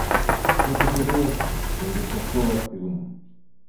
І гэты перыяд быў дастаткова актыўным.